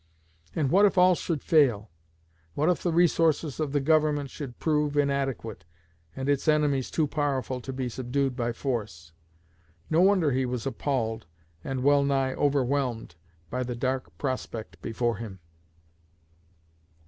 And what if all should fail? What if the resources of the Government should prove inadequate, and its enemies too powerful to be subdued by force? No wonder he was appalled and well nigh overwhelmed by the dark prospect before him.